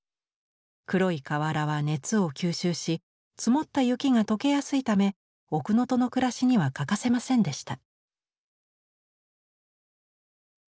黒い瓦は熱を吸収し積もった雪が解けやすいため奥能登の暮らしには欠かせませんでした。